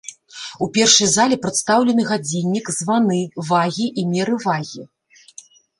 У першай зале прадстаўлены гадзіннік, званы, вагі і меры вагі.